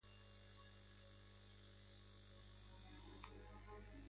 En Úbeda se convierte en carretera nacional.